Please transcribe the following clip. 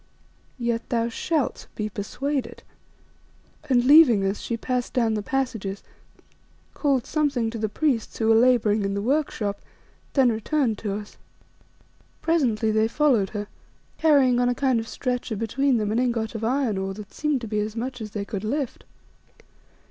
Yet thou shalt be persuaded," and leaving us, she passed down the passages, called something to the priests who were labouring in the workshop, then returned to us. Presently they followed her, carrying on a kind of stretcher between them an ingot of iron ore that seemed to be as much as they could lift.